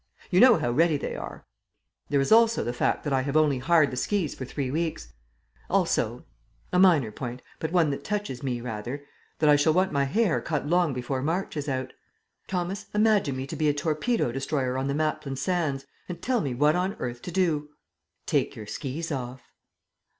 You know how ready they are. There is also the fact that I have only hired the skis for three weeks. Also a minor point, but one that touches me rather that I shall want my hair cut long before March is out. Thomas, imagine me to be a torpedo destroyer on the Maplin Sands, and tell me what on earth to do." "Take your skis off."